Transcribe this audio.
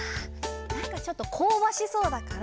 なんかちょっとこうばしそうだから。